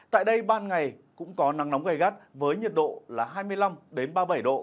tại đây ban ngày cũng có nắng nóng gây gắt với nhiệt độ là hai mươi năm ba mươi bảy độ